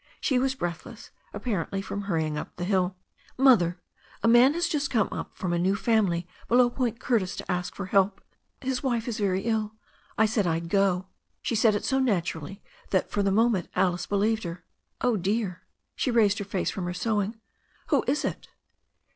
She was breathless, ap parently from hurrying up the hill. "Mother, a man has just come up from a new family be low Point Curtis to ask for help. His wife is very ill. I said I'd go." She said it so naturally that for the moment Alice be lieved her. "Oh, dear" — she raised her face from her sewing — "who is it?"